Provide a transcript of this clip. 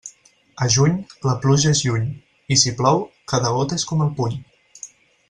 A juny, la pluja és lluny, i si plou, cada gota és com el puny.